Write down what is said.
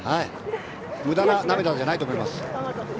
無駄な涙じゃないと思います。